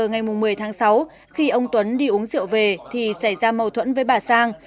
ngày một mươi tháng sáu khi ông tuấn đi uống rượu về thì xảy ra mâu thuẫn với bà sang